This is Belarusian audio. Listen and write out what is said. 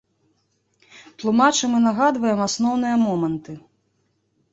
Тлумачым і нагадваем асноўныя моманты.